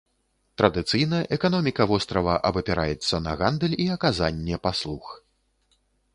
Традыцыйна эканоміка вострава абапіраецца на гандаль і аказанне паслуг.